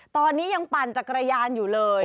ตอนนี้ยังปั่นจักรยานอยู่เลย